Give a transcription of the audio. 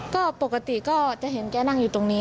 ก็ปกติก็จะเห็นแกนั่งอยู่ตรงนี้